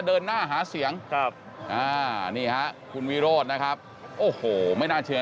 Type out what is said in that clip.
เดินหน้าหาเสียงครับอ่านี่ฮะคุณวิโรธนะครับโอ้โหไม่น่าเชื่อ